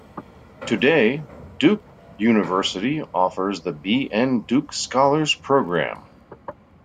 Today, Duke University offers the B. N. Duke Scholars program.